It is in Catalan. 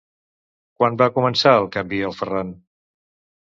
Quan va començar el canvi el Ferran?